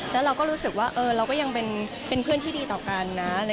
แล้วเราก็รู้สึกว่าเราก็ยังเป็นเพื่อนที่ดีต่อกันนะ